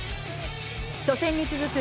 初戦に続く